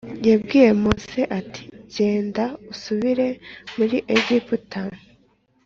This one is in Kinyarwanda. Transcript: yabwiye Mose ati genda usubire muri Egiputa.